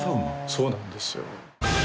そうなんですよ。